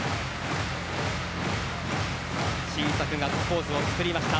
小さくガッツポーズを作りました。